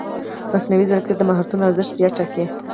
مصنوعي ځیرکتیا د مهارتونو ارزښت بیا ټاکي.